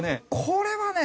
これはね